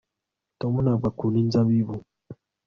tom ntabwo akunda inzabibu